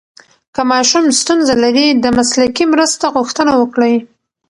که ماشوم ستونزه لري، د مسلکي مرسته غوښتنه وکړئ.